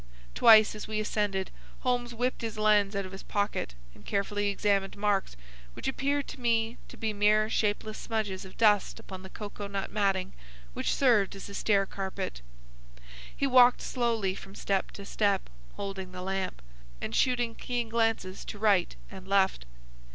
Twice as we ascended Holmes whipped his lens out of his pocket and carefully examined marks which appeared to me to be mere shapeless smudges of dust upon the cocoa nut matting which served as a stair carpet. He walked slowly from step to step, holding the lamp, and shooting keen glances to right and left.